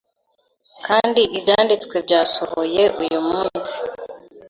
kandi ibyanditswe byasohoye uyu munsi